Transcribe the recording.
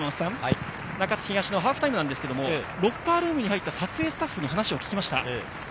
中津東のハーフタイムなんですが、ロッカールームに入った撮影スタッフに話を聞きました。